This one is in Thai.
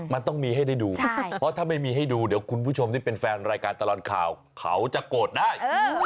มันต้องมีให้ได้ดูเพราะถ้าไม่มีให้ดูเดี๋ยวคุณผู้ชมที่เป็นแฟนรายการตลอดข่าวเขาจะโกรธได้